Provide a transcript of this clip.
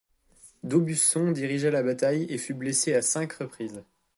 D'Aubusson dirigea la bataille et fut blessé à cinq reprises.